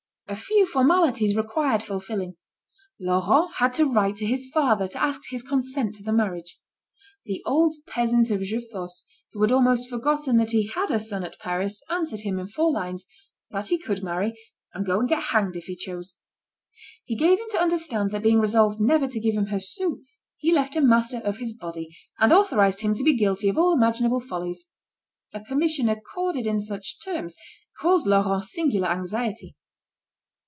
A few formalities required fulfilling. Laurent had to write to his father to ask his consent to the marriage. The old peasant of Jeufosse who had almost forgotten that he had a son at Paris, answered him, in four lines, that he could marry, and go and get hanged if he chose. He gave him to understand that being resolved never to give him a sou, he left him master of his body, and authorised him to be guilty of all imaginable follies. A permission accorded in such terms, caused Laurent singular anxiety.